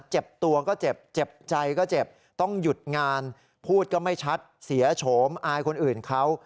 เจ็บตัวก็เจ็บเจ็บใจก็เจ็บต้องหยุดงานพูดก็ไม่ชัดเสียโฉมอายคนอื่นเขา